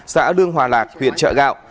xã đương hòa lạc huyện trợ gạo